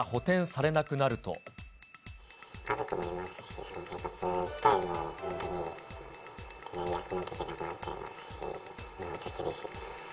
家族もいますし、生活自体も本当に養っていけなくなっちゃいますし、厳しい。